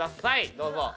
どうぞ。